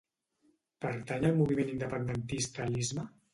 Pertany al moviment independentista l'Isma?